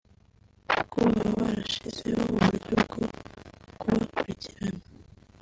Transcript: kuko baba barashyizeho uburyo bwo kubakurikirana